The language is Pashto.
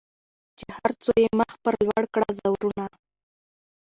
چي هر څو یې مخ پر لوړه کړه زورونه